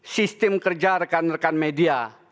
sistem kerja rekan rekan media